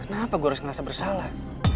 kenapa gue harus merasa bersalah